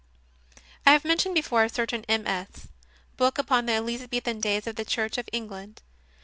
2. I have mentioned before a certain MS. book upon the Elizabethan days of the Church of Eng land.